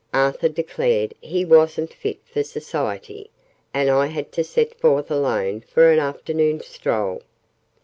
Arthur declared he wasn't fit for Society, and I had to set forth alone for an afternoon stroll.